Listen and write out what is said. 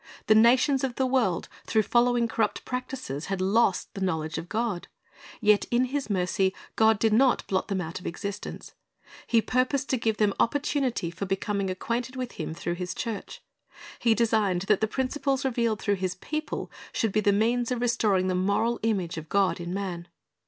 The nations of the world, through following corrupt practises, had lost the knowledge of God. Yet in His mercy God did not blot them out of existence. He purposed to give them opportunity for becoming acquainted with Him through His church. He designed that the principles revealed through His people should be the means of restoring the moral image of God in man.